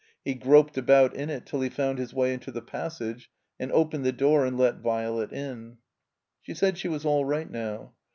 He groped about in it till he fotmd his way into the passage and opened the door and let Violet in. She said she was all right now.